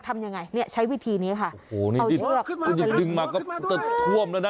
ทำยังไงเนี่ยใช้วิธีนี้ค่ะโอ้โหนี่เอาเชือกคุณจะดึงมาก็จะท่วมแล้วนะ